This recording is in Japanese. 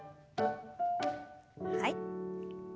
はい。